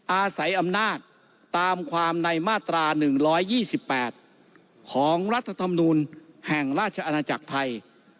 อาศัยอำนาจตามความในมาตรา๑๒๘ของรัฐธรรมนูลแห่งราชอาณาจักรไทย